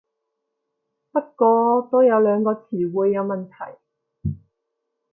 不過都有兩個詞彙有問題